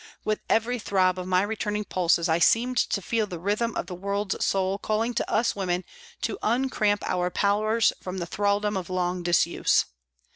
With every throb of my returning pulses I seemed to feel the rhythm of the world's soul calling to us women to uncramp our powers from the thraldom of long disuse.